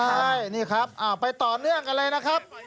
ใช่นี่ครับไปต่อเนื่องกันเลยนะครับ